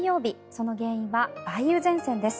その原因は梅雨前線です。